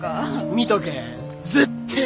見とけえ。